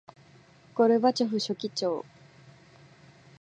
ゴルバチョフ書記長